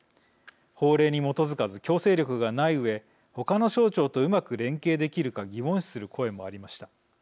法令に基づかず強制力がないうえ他の省庁とうまく連携できるか疑問視する声もありました。